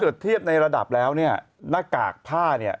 ถ้าเทียบในระดับแล้วเนี่ยหน้ากากผ้าเนี่ย